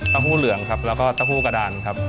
หู้เหลืองครับแล้วก็เต้าหู้กระดานครับ